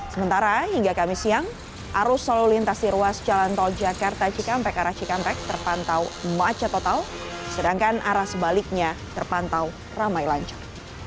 sementara hingga kamis siang arus selalu lintas di ruas jalan tol jakarta cikampek arah cikampek terpantau macet total sedangkan arah sebaliknya terpantau ramai lancar